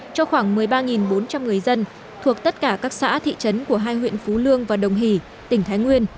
cho khoảng một mươi ba bốn trăm linh người dân thuộc tất cả các xã thị trấn của hai huyện phú lương và đồng hỷ tỉnh thái nguyên